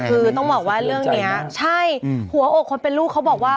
คือต้องบอกว่าเรื่องนี้ใช่หัวอกคนเป็นลูกเขาบอกว่า